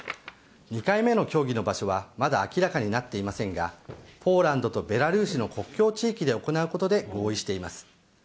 ２回目の協議の場所はまだ明らかになっていませんがポーランドとベラルーシの国境地域で行うことで合意しています。